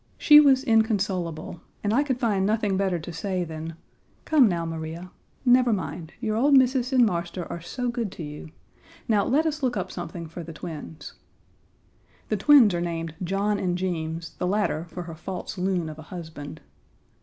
She was inconsolable, and I could find nothing better to say than, "Come, now, Maria! Never mind, your old Missis and Marster are so good to you. Now let us Page 46 look up something for the twins." The twins are named "John and Jeems," the latter for her false loon of a husband.